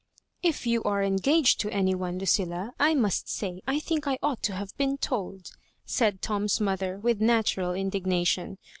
'* If you are engaged to any one, Lucilla, I must say I think I ought to have been told," said Tom's mother, with natural indignation.